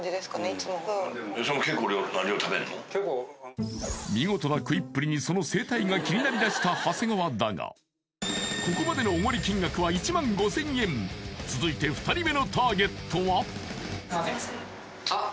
いつも見事な食いっぷりにその生態が気になりだした長谷川だがここまでの奢り金額は１５０００円続いてあっ！